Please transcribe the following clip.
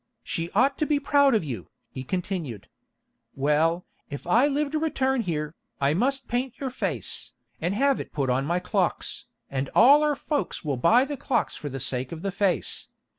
"She ought to be proud of you," he continued. "Well, if I live to return here, I must paint your face, and have it put on my clocks, and our folks will buy the clocks for the sake of the face.